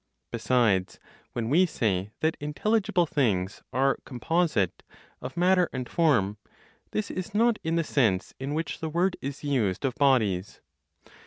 Besides, when we say that intelligible things are composite (of matter and form), this is not in the sense in which the word is used of bodies.